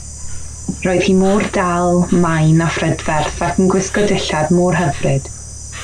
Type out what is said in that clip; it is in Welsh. Roedd hi mor dal, main a phrydferth ac yn gwisgo dillad mor hyfryd.